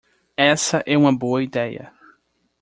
Essa é uma boa ideia.